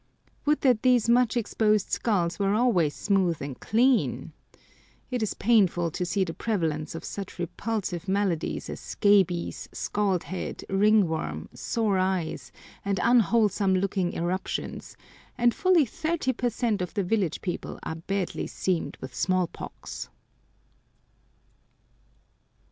Would that these much exposed skulls were always smooth and clean! It is painful to see the prevalence of such repulsive maladies as scabies, scald head, ringworm, sore eyes, and unwholesome looking eruptions, and fully 30 per cent of the village people are badly seamed with smallpox.